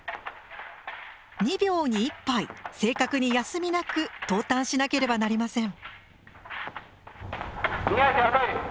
２秒に１杯正確に休みなく投炭しなければなりません。